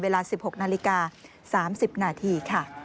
เวลา๑๖นาฬิกา๓๐นาทีค่ะ